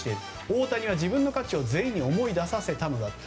大谷は自分の価値を全員に思い出させたのだと。